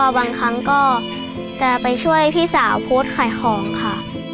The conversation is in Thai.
บางครั้งก็จะไปช่วยพี่สาวโพสต์ขายของค่ะ